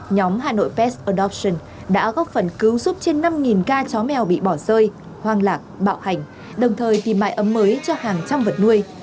nhóm hà nội pest odofton đã góp phần cứu giúp trên năm ca chó mèo bị bỏ rơi hoang lạc bạo hành đồng thời tìm mãi ấm mới cho hàng trăm vật nuôi